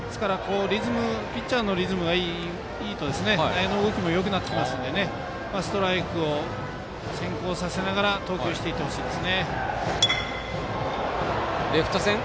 ピッチャーのリズムがいいと内野の動きもよくなってきますのでストライクを先行させながら投球していってほしいです。